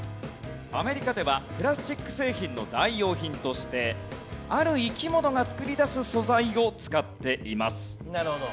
アメリカではプラスチック製品の代用品としてある生き物が作り出す素材を使っています。